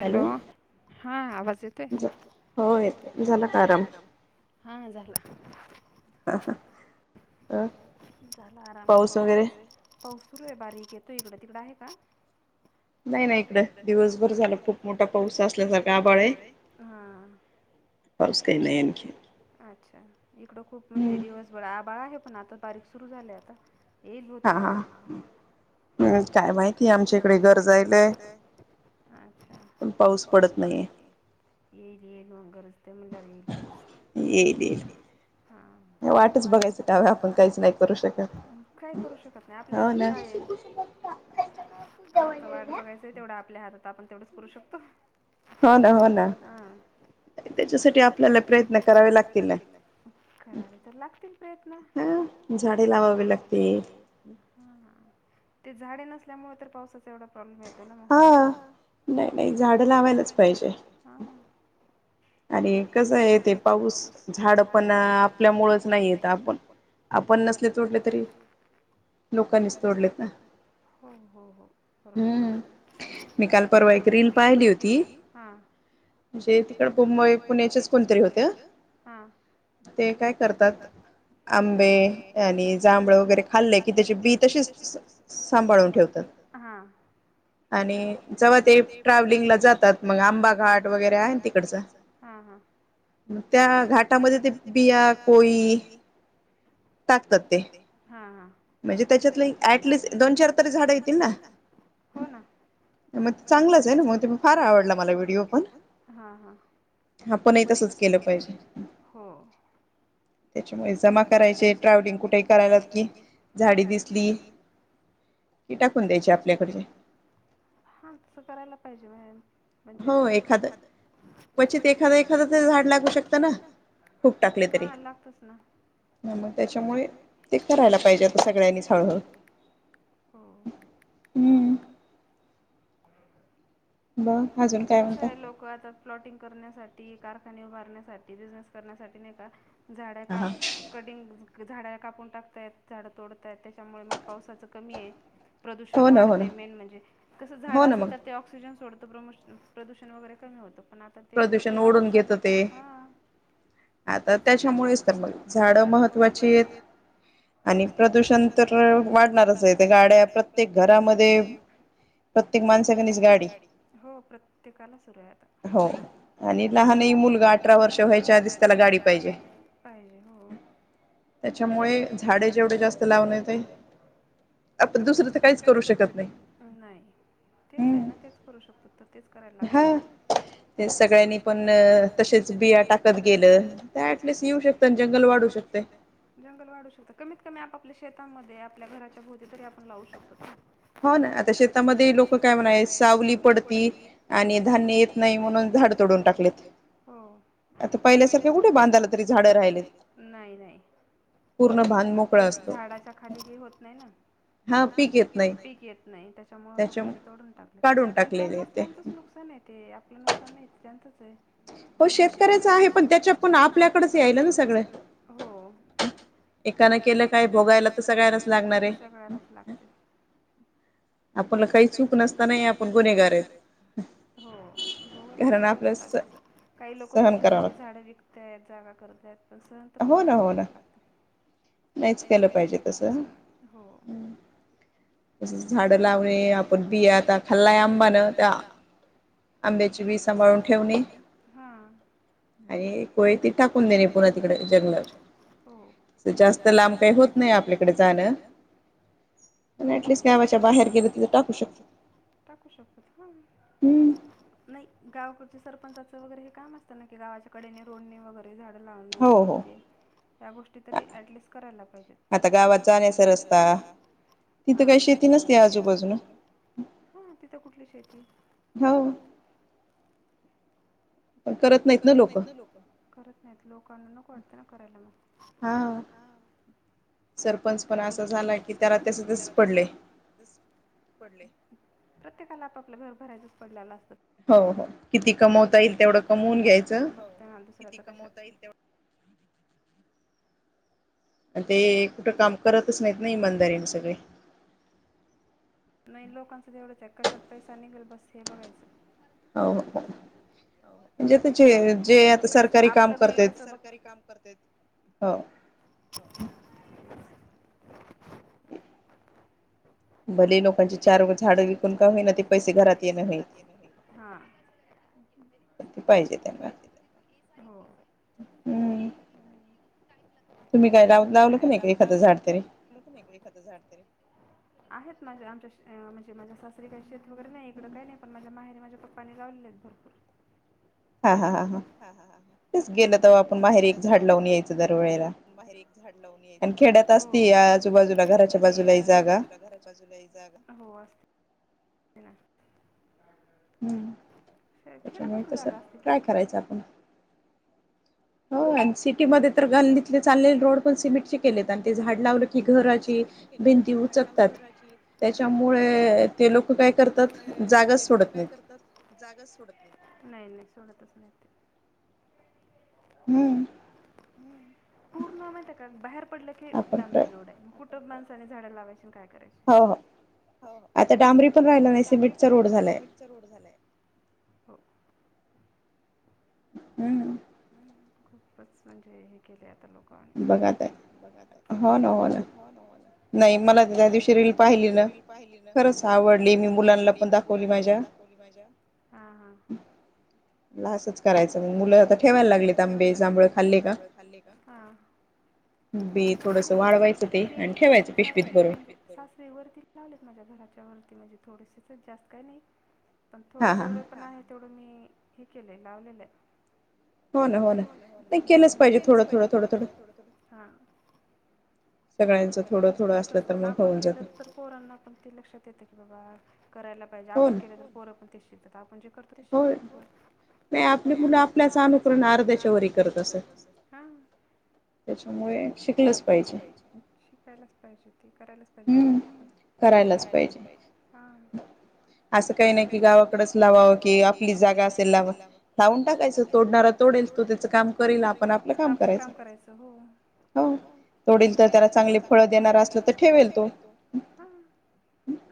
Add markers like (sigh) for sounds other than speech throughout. Hello हा आवाज येतोय का. (unintelligible) (unintelligible) नाही नाही इकडं दिवसभर. (unintelligible) पण आता बारीक सुरू झालं आता. ये होते काता ह काय माहितीय आमच्या इकडे गरजा आहे काय. प पाऊस पडत नाही येईल येईल. गरज. येईल पास ये ह वाटच बघायच का आपण काहीच नाही करू शकत काय करू शकत नाही आपल्या हातात काय आहे आता वाट बघायचंय तेवढं आपल्या हातात. आ आपण तेवढंच करू शकतो. हो ना हो ना त्याच्यासाठी आपल्याला प्रयत्न करावे लागतील करावे तर लागतील प्रयत्न झाडे लावावे लागतील ते झाडे नस. मुळे तर पासाचा एवढा प्रॉ्लेम य. (unintelligible) हो नाही नाही झाड लावायलाच पाहिजे. आणि कास आहे ते पाऊस झाडं पण आपल्यामुळेच नाही येत आपण नसलं तोडल तरी लोकांनीच तोडले ना. काल परवा एक रिल पाहिली होती हा (inaudible) (inaudible) पुण्याचेच कोणतरी होते ते काय करतात आंबे आणि जांभळ वगैरे खाल्ले कि त्याची बी तशीच सांभाळून ठेवत आणि (inaudible) जेव्हा ते ट्रव्हलिंग ला जातात मग आंबा घाट वगैरे (inaudible) आहे‌. त्या घाटामध्ये ते बिया कोळी (inaudible) टाकतात ते हा हा म्हणजे त्याच्यातले ऍटलिस्ट दोन चार तरी झाडं येतील ना हो ना म ते चांगलंच आहे ना मग फार आवडला मला व्हिडिओ पण हा हा आपण ही तसच केलं पाहिजे त्याच्यामुळे जमा करायचे ट्रव्हलिंग कुठे (inaudible) झाडी दिसली की टाकून द्यायची आपल्याकडचे हा तसं करायला पाहिजे बाहेर. म्हणजे हो एखाद क्वचित एखाद एखाद तर झाड लागू शकतं ना खूप टाकल तरी हा लागतच ना नाय म त्याच्यामुळे ते करायला पाहिजे सगळ्यांनी हळूहळू हो हं कस आहे लोक आता प्लॉटिंग करण्यासाठी कारखाने उभारण्यासाठी बिझनेस करण्यासाठी नाय का झाडं काप कटिंग झाड कापून टाकतायत झाडं तोडतायत त्याच्यामुळे मग पावसाच कमी आहे. प्रदूषण वाढते मेन म्हणजे कसं झाड असल तर ते ऑक्सिजन सोड प्रमोशन प्रदूषण वगैरे कमी होतं. पण आता ते गोष्टी वाढत चाल्यात हा आता त्याच्यामुळेच तर मग झाड महत्वाची आहेत आणि प्रदूषण तर वाढणारच आहे तर गाड्या प्रत्येक घरामध्ये प्रत्येक माणसागणीक गाडी. प्रत्येकाला सुरु आहे आता हो आणि लहान मुलगा अठरा वर्ष व्हायच्या आधीच त्याला गाडी पाहिजे त्याच्यामुळे झाडे जेवढे जास्त लावण्यात आपण दुसर तर काहीच करू शकत नाही नाही तेच आहे ना तेच करू शकत त तेच करायला लागतं मग ते सगळ्यांनी पण तसेच बिया टाकत गेल ॲटलीटिस्ट येऊ शकत आणि जंगल वाढू शकतय जंगल वाढू शकत कमीत कमी आपआपल्याला शे शेतामध्ये आपल्या घराच्या भोवती तरी आपण लावू शकतो. हो ना आता शेतामध्ये लोक काय म्हणाय सा सावली पडती आणि धान्य येत नाही म्हणून झाड तोडून टाकलेत आता पहिल्यासारख कुठे बांधला तरी झाड राहिले नाही नाही पूर्ण बांध मोकळा असतो झाडाच्या खाली होत नाही ना हा पीक येत नाही. पीक येत नाही त्याच्यामुळ लोकांनी तोडून टाकलेत. पण त्यांना त्यांचंच नुकसान आहे ते आपलं नुकसान नाही ते त्यांचच ये. हो शेतकऱ्याच आहे पण त्याच्या पण आपल्याकडेच यायल ना सगळे हो एकान केलं काय भोगायला तर सगळ्यालाच लागणार सगळ्यांनाच लागताय आपल काही चूक नस गुन्हेगारयेत हो भोगायला सगळ्यांनाच लागत. काही लोक पैशासाठी झाडं विकतायत जागा करत आहेत. पण सहन हो ना हो ना नाहीच केलं पाहिजे तसंचं झाड लावणे आपण बिया आता खाल्लाय अंबान त्या आंब्याची बी सांभाळून ठेवणे आणि कोय ती टाकून देणे पुन्हा तिकडे जंगला जास्त लांब काही होत नाही आपल्याकडे जाणं ऍटलिस्ट गावाच्या बाहेर टाकू शकतो. टाकू शकतो ह्. नाही गावाकडचे सरपंचाचं वगैरे हे काम असतात ना की गावाच्या कडेने रोडने वगैरे झाड लावणं हे ते गोष्टी तरी ऍटलिस्ट करायला पाहिजेत. आता गावात जाण्याचा रस्ता तिथ काही शेती नसते. आजूबाजून. हा तिथं कुठली शेती हो. करत नाहीत. ना लोक करत नाहीत. लोकांना नको वाटत ना करायला म त्या गोष्टी. प्रत्येकाला आपपलं घर भरायचंच पडलेलं असतं. हो हो किती कमवता येईल प्रत्येक जण. (unintelligible) आणि ते कुठं काम करतच नाहीत ना. इमादारीन सगळे. नवीन लोकांचं तेवढंच आहे. कशात पैसा निघेल बस हे बघायचं. हो म्हणजे जे जे आता सरकारी काम करतेत. हो. भले. भले लोकांची चार झाडं विकून का होईना, ते पैसे घरात येण होईल पाहिजे. हम् तुम्ही काय लाव लावलं का नाही, का एखादं झाड तरी. आहेत. माझ्या आमच्या म्हणजे माझ्या सासरी काही शेत वगैरे नाही. इकडं काही नाही. पण माझ्या माहेरने माझ्या पप्पानी लावले आहेत भरपूर. हा, हा, हा. तेच गेलं तवा आपण माहेरी एक झाड लावून यायचं जरा. बाहेर एक झाडलावून यायचं दरवेळी. हो खेड्यात आजूबाजूला घराच्या बाजूला असते जागा हो. असते ना. हम्म त्याच्या मूळ तसं ट्राय करायचं आपण. हो आणि सिटी मध्ये तर गल्लीतले चाललेले रोड पण सिमेटचे केलेत. आणि ते झाड लावले. पण सिमेट केले आणि झाडला उधराची भिंती उचकतात. त्याच्यामुळे ते लोक काय करतात. जागाच सोडत नाहीत. नाही नाही सोडतच नाही ते. हम्म. पूर्ण माहिते का बाहेर पडलं की डांबरी रोड आहे. कुठ कुठ माणसाने झाड लावायची काय. हो. हो. आता डांबरी पण राहिला नाही. सिमेंटचा रोड झालाय. हम्म. खूपच म्हणजे हे केले आता लोक बघा आता हो ना हो ना नाही मला त्या दिवशी रिल पहिली ना. खरंच आवडली मी मुलांना पण दाखवली माझ्या. असंच करायचं मुलं आता ठेवायला लागले त, आांबे जांबळे खाल्ले का? माझ्या सास म्ह सासरी वरती लावलेत माझ्या घराच्या वरती (inaudible) ते म्हणजे थोडशीच जास्त काय नाही (inaudible) पण थोडं जेवढं पण आहे तेवढं मी हे केले (inaudible) वने (inaudible) हो ना हो ना केलंच पाहिजे थोड थोडं थोडं थोड हा सगळचस आपण केलं तर कोरांना पण ते लक्षात येतं की बाबा (inaudible) करायला पाहिजे आपण केलं तर पोर पण ते श त (inaudible) म्हणजे करता ते शिकत (inaudible) नाही आपली मुलं आपल्याच अनुकरण अर्ध्याच्या वी करत असे त्याच्यामुळे शिकलच पाहिजे शिकायलाच पाहिजे ते करायलाच पाहिजे गोष्ट पण करायलाच हा पाहिजे असं काही नाही कि गावाकडेच लावावं कि आपली जागा असेल लाव लावून टाकायचं तोडणारा तोडणारा तोडेल त्याच काम करल आपण आपलं काम करायच तोडेल तर त्याला चांगली फळ देणार असलं तर ठेवेल हा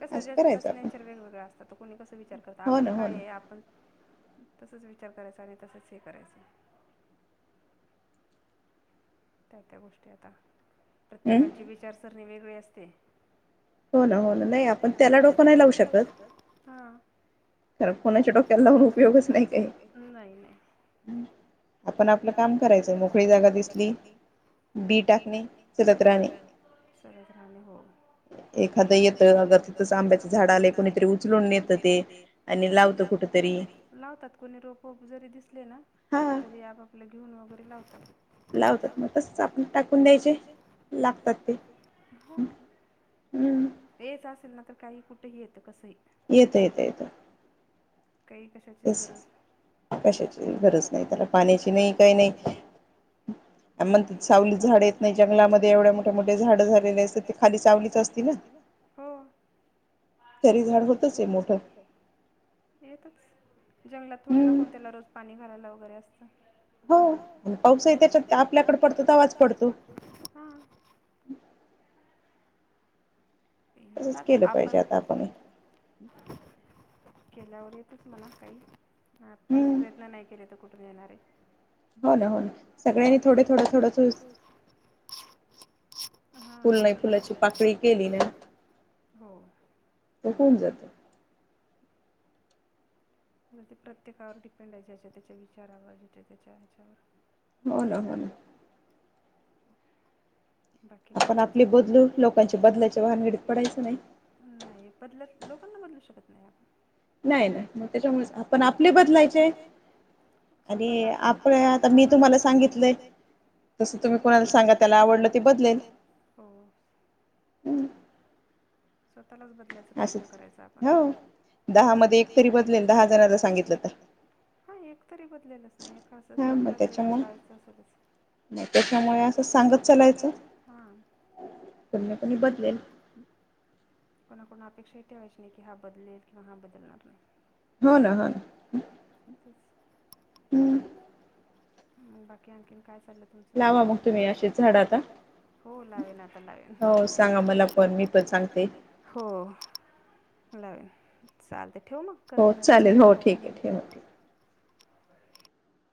कस त्याच नेचर वेगवेगळ असतात त कोणी कस विचार करत आपलं काय आहे आपण तेच विचार करायचा आणि तसच हे करायचं त्या त्या गोष्टी आता (inaudible) प्रत्येकाचे विचार वेगळी असते हो ना हो ना नाही आपण त्याला डोकं नाही लावू शकत हा कोणाच्या डोक्याला लावून उपयोगच नाही का नाही नाही आपण आपलं करायचं मोकळी जागा दिसली- बी टाकणे पेरत राहणे एखाद येत अगर ते आंब्याचे झाड आले कोणीतरी उचलून नेत ते आणि लावत कुठ तरी लावतात कोणी रोपो जरी दिसले ना तरी आपापल्या घेऊन वगैरे होतात (inaudible) लावतात मग टाकून टाकून द्यायचे लागतात ते हो यायचं असेल ना तर काही कुठ येतं कस ही येतं येतं येतं काही कशाचीच गरज कशाची (unintelligible) (unintelligible) (unintelligible) सावली झाड येत नाही जंगलामध्ये एवढ्या मोठ्या मोठ्या झाड झालेले असत ते खाली सावलीच असती ना हो तरी झाड होतच आहे मोठ यातच जंगलात थोडे न कोण त्याला रोज पाणी घालायलाव बरे असत हो पण पाऊस ये त्याच्यात त आत आपल्याकडं पडतो तवाच पडतो येतात आपण केल्यावर येतच म्हणा काही आपणच प्रयत्न नाही केले तर कु ण येणार ये हो ना हो ना सगळ्यांनी थोडं थोडं थोडं थो (inaudible) फुल नाही फुलाची पाकळी केली. त होऊन जातं म ते प्रत्येकावर डिपेंड आहे ज्याच्या त्याच्या विचारावर, ज्याच्या त्याच्या ह्याच्यावर हो ना. हो ना. बाकी मग आपली बदलू लोकांच्या बदल्याच्या भानगडीत पडायच नाही. नाही बदल लोकांना बदलू शकत नाही आपण. नाही ना मग त्याच्यामुळे, आपण आपले बदलायचे आणि आप आता मी तुम्हाला सांगितलंय जसं तुम्ही कोणाला सांगा त्याला आवडलं ते ते बदलेल हो त्यालाच बदलायचं प्रयत्न करायचं आपण दहा मध्ये एक तरी बदलेल दहा जणांना सांगितलं तर, हा एक तरी बदलेलच ना एक तरी एकाला तर बदलवायचं असेलच कि त्याच्या मुळे असा सांगत चलायच हा (unintelligible) बदलेल कोणाकडून अपेक्षाही ठेवायची नाही, कि हा बदलेल किंवा हा बदलणार नाही. हो ना ह म बाकी आणखीन कायच लावा मग तुम्ही अशेच झाड आता हो लावेन आता लावेन, हो सांगा मला पण मी सांगते हो लावेन. चालतंय ठेवू मग करते नंतर चालेल हो ठीक आहे.